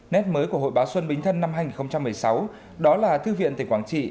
nét mới của hội báo xuân bính thân năm hai nghìn một mươi sáu đó là thư viện tỉnh quảng trị